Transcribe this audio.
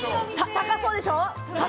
高そうでしょ。